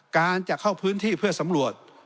การจะเข้าพื้นที่เพื่อสำรวจ